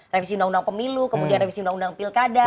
revisi undang undang pemilu kemudian revisi undang undang pilkada